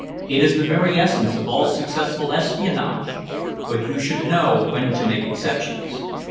It is the very essence of all successful espionage. But you should know when to make exceptions.